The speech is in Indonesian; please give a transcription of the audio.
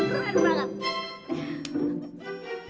ya opini heh